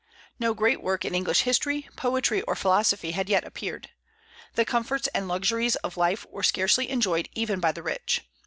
No great work in English history, poetry, or philosophy had yet appeared. The comforts and luxuries of life were scarcely enjoyed even by the rich.